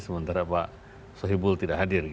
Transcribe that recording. sementara pak sohibul tidak hadir